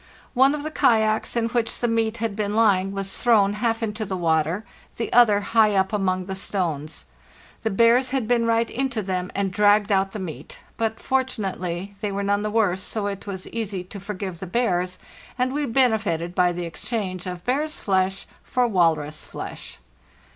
One of the kayaks in which the meat had been lying was thrown half into the water, the other high up among the stones. The bears had been right into them and dragged out the meat; but, fortunately, they were none the worse, so it was easy to forgive the bears, and we benefited by the exchange of bear's flesh for walrus flesh.